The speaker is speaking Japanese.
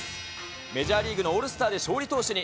メジャーリーグのオールスターで、勝利投手に。